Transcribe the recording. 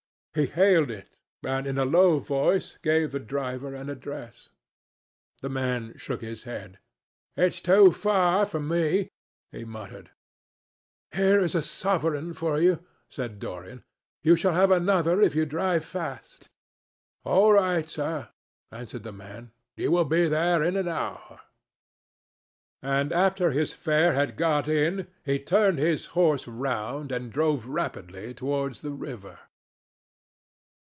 He hailed it and in a low voice gave the driver an address. The man shook his head. "It is too far for me," he muttered. "Here is a sovereign for you," said Dorian. "You shall have another if you drive fast." "All right, sir," answered the man, "you will be there in an hour," and after his fare had got in he turned his horse round and drove rapidly towards the river.